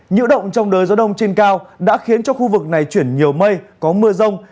nhiễu động trong đời gió đông trên cao đã khiến cho khu vực này chuyển nhiều mây có mưa rông